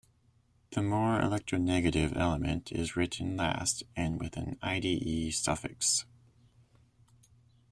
The more electronegative element is written last and with an "-ide" suffix.